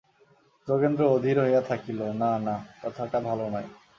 যোগেন্দ্র অধীর হইয়া কহিল, না না, কথাটা ভালো নয়।